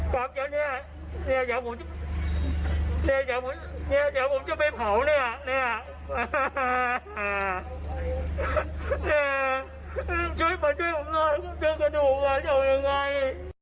ปรากฏเจ้าเนี่ยเดี๋ยวผมจะไปเผาเนี่ย